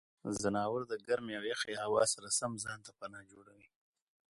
ځناور د ګرمې او یخې هوا سره سم ځان ته پناه جوړوي.